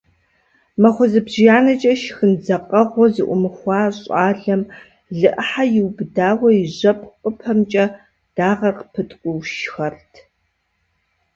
Махуэ зыбжанэкӀэ шхын дзакъэгъуэ зыӏумыхуа щӏалэм лы Ӏыхьэ иубыдауэ и жьэпкъыпэмкӀэ дагъэр пыткӀуу шхэрт.